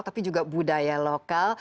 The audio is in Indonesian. tapi juga budaya lokal